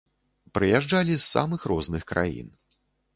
Прыязджалі з самых розных краін.